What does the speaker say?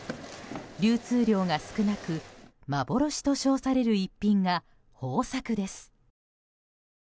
流通量が少なく幻と称される逸品が豊作です。